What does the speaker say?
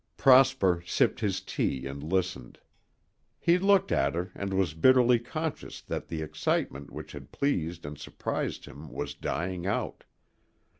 Prosper sipped his tea and listened. He looked at her and was bitterly conscious that the excitement which had pleased and surprised him was dying out.